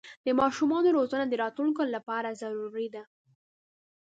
د ماشومانو روزنه د راتلونکي لپاره ضروري ده.